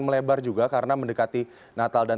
melebar juga karena mendekati natal dan